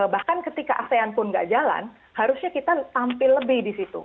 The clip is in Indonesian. bahkan ketika asean pun nggak jalan harusnya kita tampil lebih di situ